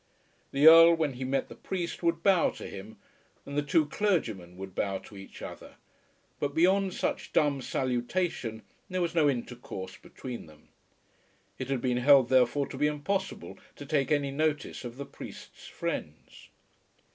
The Earl when he met the priest would bow to him, and the two clergymen would bow to each other; but beyond such dumb salutation there was no intercourse between them. It had been held therefore to be impossible to take any notice of the priest's friends.